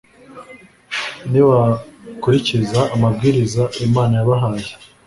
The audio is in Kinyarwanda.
Nibakurikiza amabwiriza Imana yabahaye